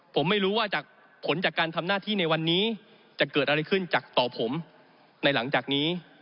ผมไม่รู้ว่าจากผลจากการทำหน้าที่ในวันนี้จะเกิดอะไรขึ้นจากต่อผมในหลังจากนี้